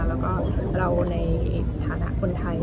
แล้วก็เราในฐานะคนไทย